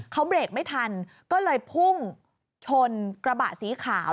เขาเบรกไม่ทันก็เลยพุ่งชนกระบะสีขาว